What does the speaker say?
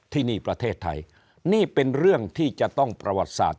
ที่นี่ประเทศไทยนี่เป็นเรื่องที่จะต้องประวัติศาสต